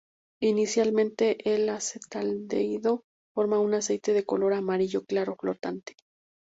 Inicialmente, el acetaldehído forma un aceite de color amarillo claro flotante.